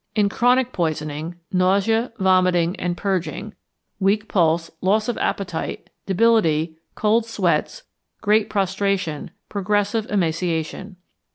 In chronic poisoning, nausea, vomiting and purging, weak pulse, loss of appetite, debility, cold sweats, great prostration, progressive emaciation.